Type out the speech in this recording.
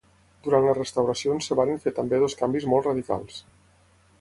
Durant les restauracions es varen fer també dos canvis molt radicals.